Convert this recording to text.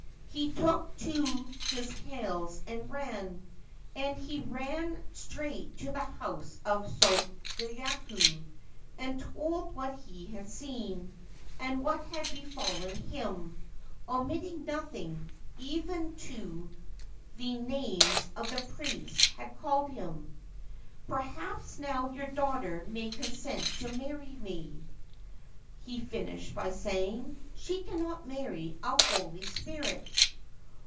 He took to his heels and ran, and he ran straight to the house of Sodayu, and told what he had seen, and what had befallen himself, omitting nothing, even to the names the priest had called him. ' Perhaps now your daughter may consent to marry me/ he finished by saying. ' She cannot marry a holy spirit